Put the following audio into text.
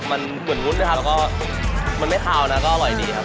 มันเหมือนวุ้นด้วยครับแล้วก็มันไม่คาวนะก็อร่อยดีครับ